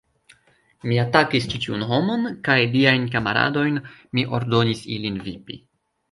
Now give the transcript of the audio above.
Mi atakis ĉi tiun homon kaj liajn kamaradojn, mi ordonis ilin vipi.